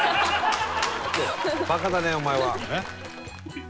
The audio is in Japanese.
バカだねお前は。えっ？